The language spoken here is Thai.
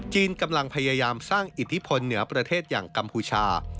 กำลังพยายามสร้างอิทธิพลเหนือประเทศอย่างกัมพูชา